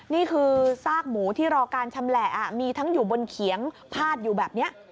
นี่คือซากหมูที่รอการชำแหละมีทั้งอยู่บนเขียงพาดอยู่แบบนี้